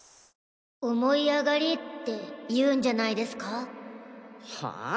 「思い上がり」って言うんじゃないではぁ？